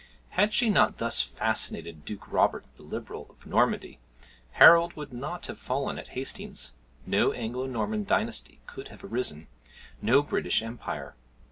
Had she not thus fascinated Duke Robert, the Liberal, of Normandy, Harold would not have fallen at Hastings, no Anglo Norman dynasty could have arisen, no British empire.